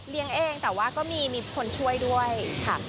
เองแต่ว่าก็มีคนช่วยด้วยค่ะ